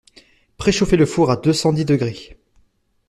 Préchauffer le four à deux cent dix degrés